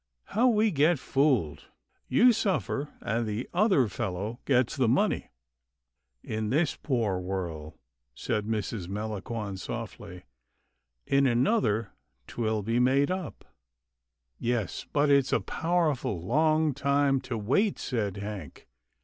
How we get fooled. You suffer, and the other fellow gets the money." " In this poor worl'," said Mrs. Melangon softly, " in another 'twill be made up.'* " Yes, but it's a powerful long time to wait," said Hank.